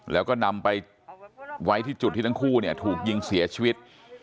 แล้วก็นำไปไว้ที่จุดที่ทั้งคู่เนี่ยถูกยิงเสียชีวิต